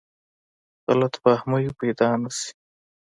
غلط فهمۍ پیدا نه شي.